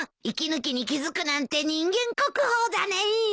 息抜きに気付くなんて人間国宝だね。